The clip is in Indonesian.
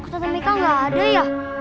tante meka gak ada ya